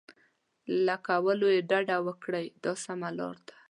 له کولو یې ډډه وکړئ دا سمه لار ده.